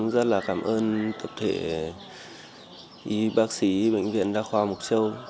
rất là cảm ơn tập thể y bác sĩ bệnh viện đa khoa mộc châu